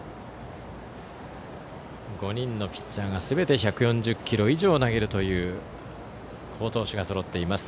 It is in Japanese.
５人のピッチャーがすべて１４０キロ以上投げるという好投手がそろっています